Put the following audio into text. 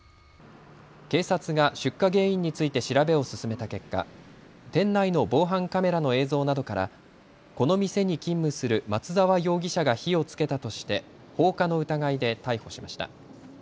警察が出火原因について調べを進めた結果、店内の防犯カメラの映像などからこの店に勤務する松澤容疑者が火をつけたとして放火の疑いで逮捕しました。